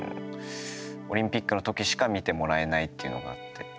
オリンピックのときしか見てもらえないっていうのがあって。